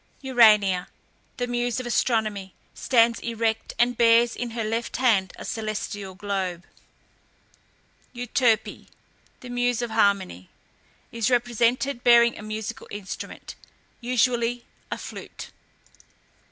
URANIA, the muse of Astronomy, stands erect, and bears in her left hand a celestial globe. EUTERPE, the muse of Harmony, is represented bearing a musical instrument, usually a flute.